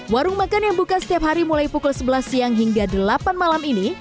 warung makan yang buka setiap hari mulai pukul sebelas siang hingga delapan malam ini